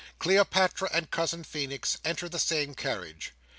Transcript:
Cleopatra and Cousin Feenix enter the same carriage.